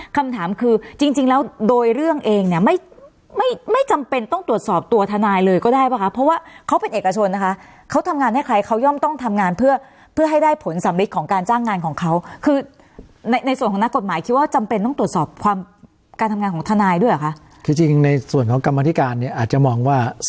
คำถามคือจริงจริงแล้วโดยเรื่องเองเนี่ยไม่ไม่จำเป็นต้องตรวจสอบตัวทนายเลยก็ได้ป่ะคะเพราะว่าเขาเป็นเอกชนนะคะเขาทำงานให้ใครเขาย่อมต้องทำงานเพื่อเพื่อให้ได้ผลสำริดของการจ้างงานของเขาคือในในส่วนของนักกฎหมายคิดว่าจำเป็นต้องตรวจสอบความการทำงานของทนายด้วยเหรอคะคือจริงในส่วนของกรรมธิการเนี่ยอาจจะมองว่า